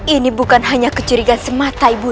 ini bukan hanya kecurigaan semata ibu